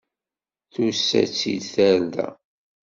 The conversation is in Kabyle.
Tusa-tt-id tarda.